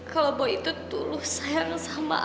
kalau boy itu dulu sayang sama aku